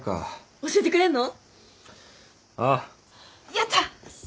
やった！